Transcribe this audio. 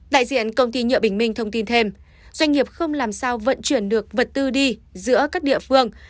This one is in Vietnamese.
đại diện công ty nhựa bình minh thông tin thêm doanh nghiệp không làm sao vận chuyển được vật tư đi giữa các địa phương